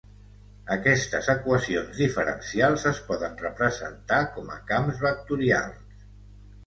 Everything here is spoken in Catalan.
Aquestes equacions diferencials es poden representar com a camps vectorials.